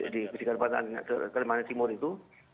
di kalimantan timur itu